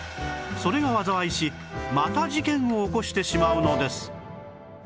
それが災いしまた事件を起こしてしまうのです